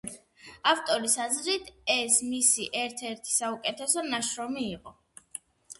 ავტორის აზრით, ეს მისი ერთ-ერთი საუკეთესო ნაშრომი იყო.